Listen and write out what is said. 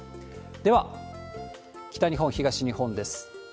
では、北日本、東日本です。